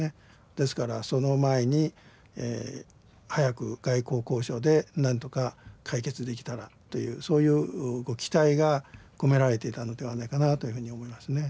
ですからその前に早く外交交渉で何とか解決できたらというそういうご期待が込められていたのではないかなというふうに思いますね。